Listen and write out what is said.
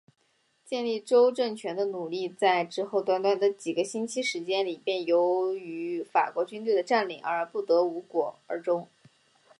建立州政权的努力在之后短短的几个星期时间里便由于法国军队的占领而不得无果而终。